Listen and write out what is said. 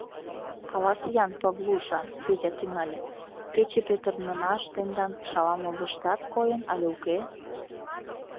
— Каласе-ян, Павлуша, — Федя тӱҥале, — кече петырнымаш тендан Шаламовыштат койын але уке?